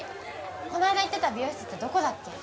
こないだ言ってた美容室ってどこだっけ？